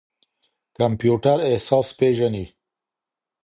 کمپيوټر احساس پېژني.